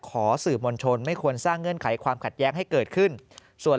ขอสื่อมวลชนไม่ควรสร้างเงื่อนไขความขัดแย้งให้เกิดขึ้นส่วน